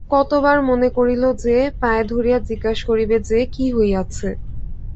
কত বার মনে করিল যে, পায়ে ধরিয়া জিজ্ঞাসা করিবে যে, কী হইয়াছে।